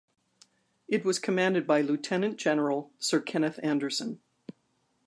It was commanded by Lieutenant-General Sir Kenneth Anderson.